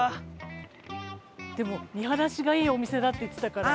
でも見晴らしがいいお店だって言ってたから。